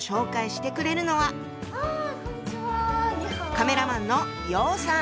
カメラマンの楊さん。